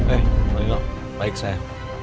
eh pak nino baik saya